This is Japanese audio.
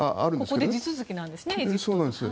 ここで地続きなんですね。